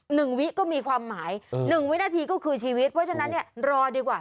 วิก็มีความหมายหนึ่งวินาทีก็คือชีวิตเพราะฉะนั้นเนี่ยรอดีกว่า